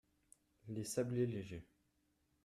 Les sablés légers.